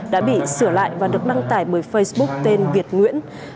đã bị sửa lại và được đăng tải bởi facebook tên việt nguyễn